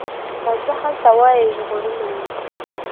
که زه هلته وای ژغورلي مي